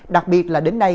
đặc biệt là đến nay